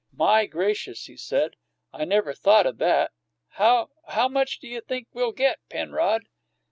"My gracious," he said, "I never thought o' that! How how much do you think we'll get, Penrod?"